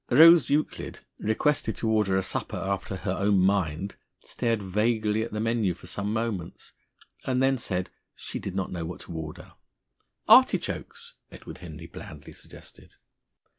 Rose Euclid, requested to order a supper after her own mind, stared vaguely at the menu for some moments, and then said that she did not know what to order. "Artichokes?" Edward Henry blandly suggested.